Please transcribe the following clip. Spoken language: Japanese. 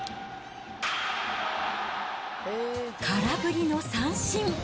空振りの三振。